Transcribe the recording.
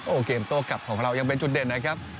โอ้โหเกมโต้กลับของเรายังเป็นจุดเด่นนะครับ